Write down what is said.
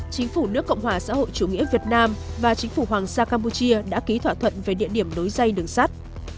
chính phủ nước cộng hòa xã hội chủ nghĩa việt nam và chính phủ hoàng gia campuchia đã ký thỏa thuận về địa điểm đối dây đường sắt